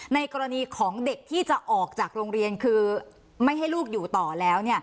ในกรณีของเด็กที่จะออกจากโรงเรียนคือไม่ให้ลูกอยู่ต่อแล้ว